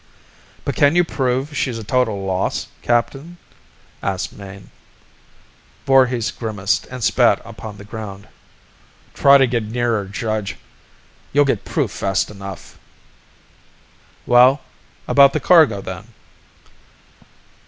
"But can you prove she's a total loss, captain?" asked Mayne. Voorhis grimaced and spat upon the ground. "Try to get near her, Judge! You'll get proof fast enough!" "Well ... about the cargo, then?"